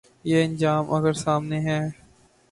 یہ انجام اگر سامنے ہے۔